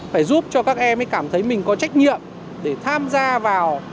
phải giúp cho các em ấy cảm thấy mình có trách nhiệm để tham gia vào